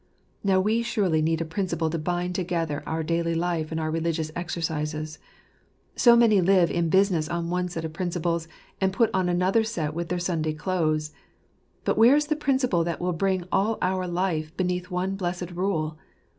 Now we surely need a principle to bind together our daily life and our religious exercises. So many live in business on one set of principles — and put on another set with their Sunday clothes. Where is the principle that will bring all our life beneath one blessed rule